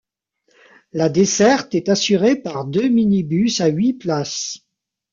La desserte est assurée par deux minibus à huit places.